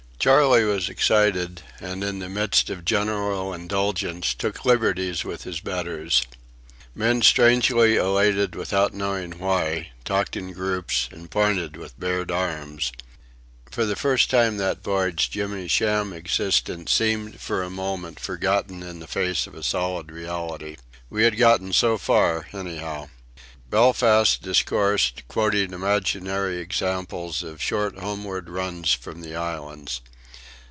Charley was excited, and in the midst of general indulgence took liberties with his betters. Men strangely elated without knowing why, talked in groups, and pointed with bared arms. For the first time that voyage Jimmy's sham existence seemed for a moment forgotten in the face of a solid reality. We had got so far anyhow. Belfast discoursed, quoting imaginary examples of short homeward runs from the Islands.